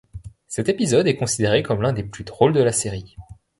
Cet épisode est considéré comme l'un des plus drôles de la série.